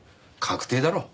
確定だろ。